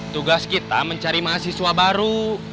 tugas kita mencari mahasiswa baru